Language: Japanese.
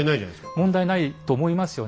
問題ないと思いますよね？